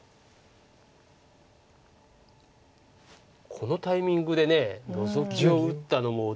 このタイミングでノゾキを打ったのも驚きです。